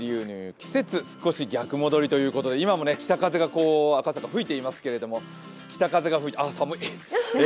季節少し逆戻りということで今も北風が赤坂は吹いていますけれども、あ、寒い！